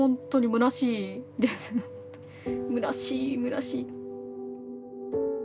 むなしいむなしい。